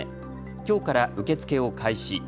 きょうから受け付けを開始。